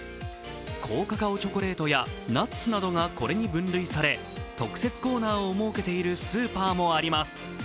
高カカオチョコレートやナッツなどがこれに分類され、特設コーナーを設けているスーパーもあります。